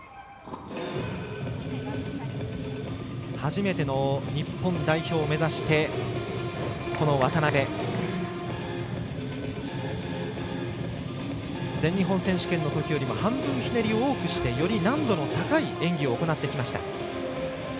初めての日本代表を目指して渡部全日本選手権のときよりも半分ひねりを多くしてより難度の高い演技を行ってきました。